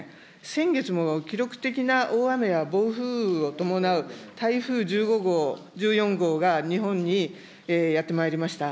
先月も記録的な大雨や暴風を伴う台風１５号、１４号が日本にやってまいりました。